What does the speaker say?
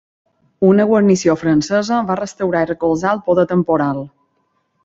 Una guarnició francesa va restaurar i recolzar el poder temporal.